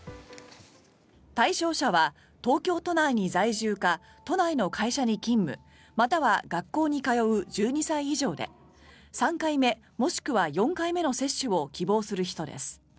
対象者は東京都内に在住か都内の会社に勤務または学校に通う１２歳以上で３回目もしくは４回目の接種を希望する人です。